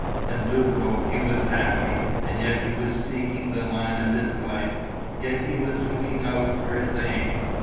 And Duco: he was happy. And yet he was seeking the line of his life, yet he was looking out for his aim.